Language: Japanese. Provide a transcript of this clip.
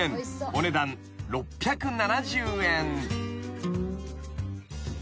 お値段６７０円］